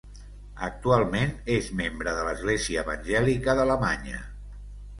Actualment és membre de l'Església Evangèlica d'Alemanya.